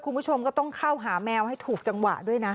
คุณผู้ชมก็ต้องเข้าหาแมวให้ถูกจังหวะด้วยนะ